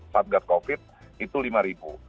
saat gat covid itu lima ribu